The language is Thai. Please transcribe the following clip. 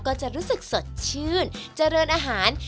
ก็จะรู้สึกสดชื่นเจริญอาหาร